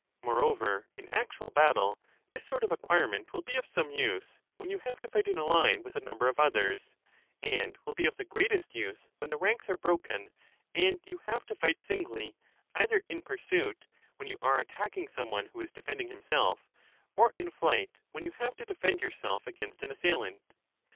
Moreover in actual battle this sort of acquirement will be of some use, when you have to fight in a line with a number of others; and will be of the greatest use when the ranks are broken and you have to fight singly ; either in pursuit, when you are attacking some one who is defending himself, or in flight, when you have to defend yourself against an assailant.